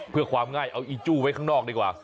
เพื่อความง่ายเอาอีจู้ไว้ข้างนอกดีกว่า